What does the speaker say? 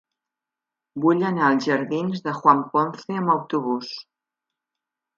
Vull anar als jardins de Juan Ponce amb autobús.